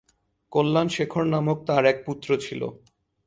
কল্যাণ শেখর নামক তার এক পুত্র ছিল।